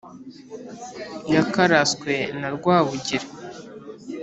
yakaraswe na rwabugili